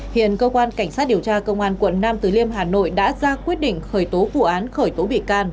hiện cơ quan cảnh sát điều tra công an quận nam từ liêm hà nội đã ra quyết định khởi tố vụ án khởi tố bị can